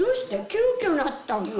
急きょなったんか？